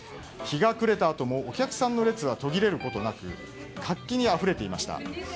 日が暮れたあともお客さんの列は途切れることなく活気にあふれていました。